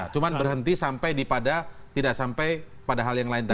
cuma berhenti sampai di pada tidak sampai pada hal yang lain tadi